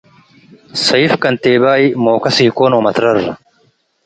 ሰይፍ ኬንቴባይ ሞከስ ኢኮን ወመትረር